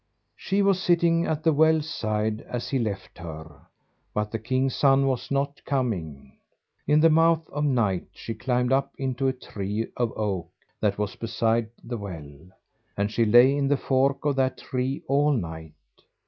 She was sitting at the well's side as he left her, but the king's son was not coming. In the mouth of night she climbed up into a tree of oak that was beside the well, and she lay in the fork of that tree all night.